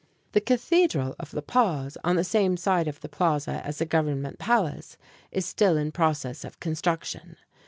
The Cathedral of La Paz, on the same side of the plaza as the Government Palace, is still in process of construction.